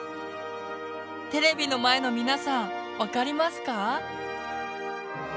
テレビの前の皆さん分かりますか？